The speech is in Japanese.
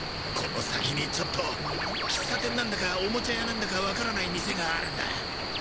この先にちょっと喫茶店なんだかおもちゃ屋なんだかわからない店があるんだ。